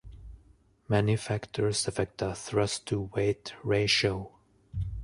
Many factors affect a thrust-to-weight ratio.